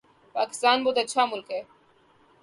پاکستان بہت اچھا ملک ہے